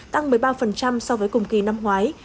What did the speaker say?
tăng một mươi ba so với cùng kỳ năm ngoái